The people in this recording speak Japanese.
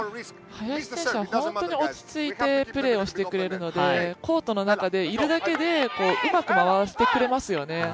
林選手は本当に落ち着いてプレーをしてくれるのでコートの中でいるだけでうまく回してくれますよね。